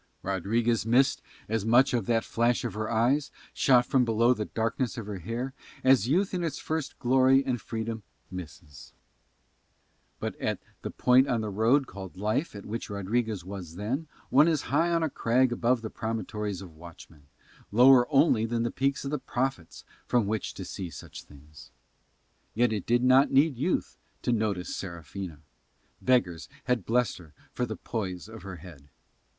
Rodriguez missed as much of that flash of her eyes, shot from below the darkness of her hair, as youth in its first glory and freedom misses. For at the point on the road called life at which Rodriguez was then, one is high on a crag above the promontories of watchmen, lower only than the peaks of the prophets, from which to see such things. Yet it did not need youth to notice Serafina. Beggars had blessed her for the poise of her head.